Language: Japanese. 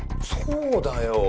そうだよ。